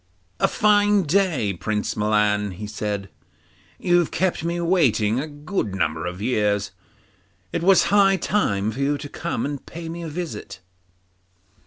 'A fine day, Prince Milan,' he said; 'you've kept me waiting a good number of years; it was high time for you to come and pay me a visit.